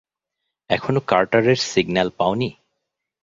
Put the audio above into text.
এখনও কার্টার এর সিগ্ন্যাল পাওনি?